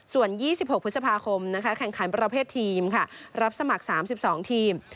ส่วน๒๖พฤษภาคมแข่งขันประเภททีมค่ะรับสมัคร๓๒ทีม